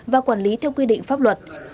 và quản lý theo quy định pháp luật